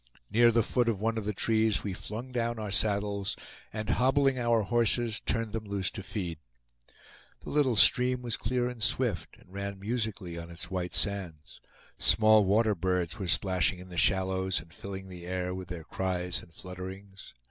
Near the foot of one of the trees we flung down our saddles, and hobbling our horses turned them loose to feed. The little stream was clear and swift, and ran musically on its white sands. Small water birds were splashing in the shallows, and filling the air with their cries and flutterings.